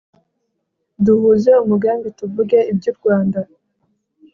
duhuze umugambi tuvuge iby'u rwanda